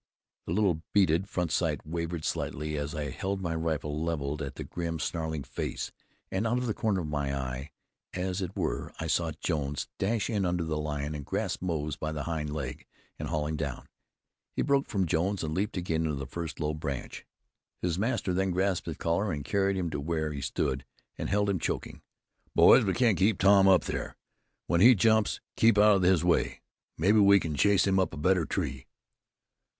The little beaded front sight wavered slightly as I held my rifle leveled at the grim, snarling face, and out of the corner of my eye, as it were, I saw Jones dash in under the lion and grasp Moze by the hind leg and haul him down. He broke from Jones and leaped again to the first low branch. His master then grasped his collar and carried him to where we stood and held him choking. "Boys, we can't keep Tom up there. When he jumps, keep out of his way. Maybe we can chase him up a better tree."